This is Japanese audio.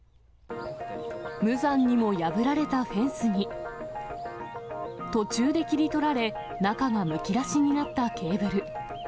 無残にも破られたフェンスに、途中で切り取られ、中がむき出しになったケーブル。